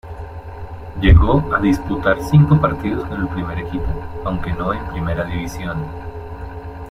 Llegó a disputar cinco partidos con el primer equipo, aunque no en Primera División.